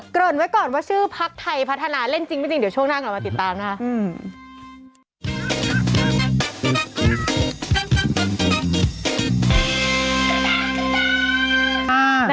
ริ่นไว้ก่อนว่าชื่อพักไทยพัฒนาเล่นจริงไม่จริงเดี๋ยวช่วงหน้ากลับมาติดตามนะคะ